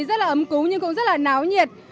rất là ấm cú nhưng cũng rất là náo nhiệt